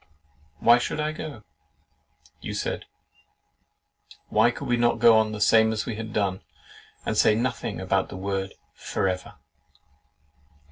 'Why should I go?' you said, 'Why could we not go on the same as we had done, and say nothing about the word FOREVER?